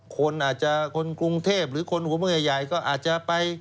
คนอาจจะคนกรุงเทพหรือคนหัวเมืองใหญ่ก็อาจจะไป